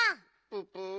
ププ。